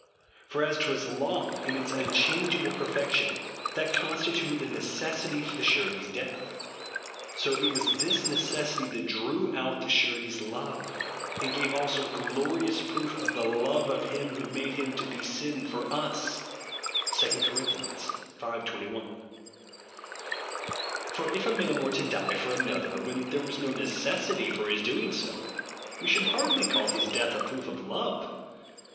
For as t was law, in its unchangeable perfection, that constituted the necessity for the Surety's death, so it was this necessity that drew out the Surety's love, and gave also glorious proof of the love of him who made him to be sin for us (2 Cor. v. 21). For if a man wcTG to die for another, when there was no RIGHTEOUS GRACE. 47 necessity for his doing so, we should hardly all his death a proof of love.